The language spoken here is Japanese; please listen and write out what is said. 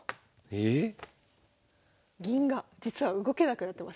ええ⁉銀が実は動けなくなってません？